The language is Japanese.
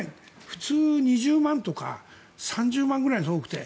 普通２０万とか３０万ぐらいですよ、多くて。